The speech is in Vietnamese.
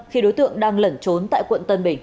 khi đối tượng đang lẩn trốn tại quận tân bình